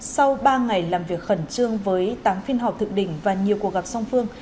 sau ba ngày làm việc khẩn trương với tám phiên họp thượng đỉnh và nhiều cuộc gặp song phương